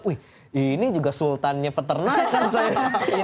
wih ini juga sultannya peternakan saya